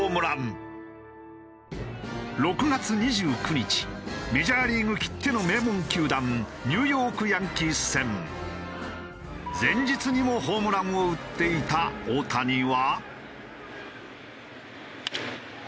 ６月２９日メジャーリーグきっての名門球団前日にもホームランを打っていた大谷は。